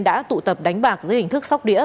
đã tụ tập đánh bạc dưới hình thức sóc đĩa